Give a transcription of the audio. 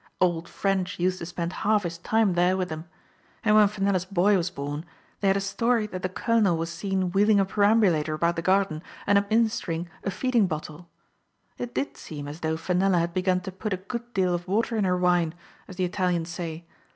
Old Ffrench used to spend half his time there with *em. And when Fenella's boy was born, they had a story that the colonel was seen wheeling a perambulator about the garden, and administering a feeding bottle. It did seem as though Fenella had begun to put a good deal of water in her wine, as the Italians say.